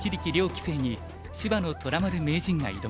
棋聖に芝野虎丸名人が挑みます。